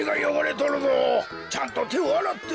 ちゃんとてをあらって。